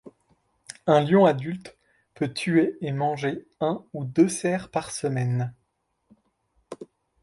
Un lion adulte peut tuer et manger un ou deux cerfs par semaine.